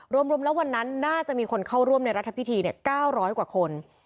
รวมแล้ววันนั้นน่าจะมีคนเข้าร่วมในรัฐพิธี๙๐๐กว่าคน